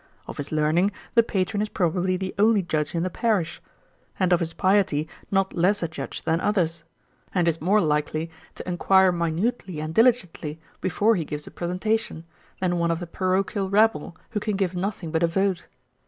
Of his learning the patron is probably the only judge in the parish; and of his piety not less a judge than others; and is more likely to enquire minutely and diligently before he gives a presentation, than one of the parochial rabble, who can give nothing but a vote.